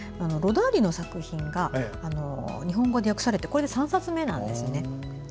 ロダーリの作品が日本語に訳されてこれで３冊目なんですね。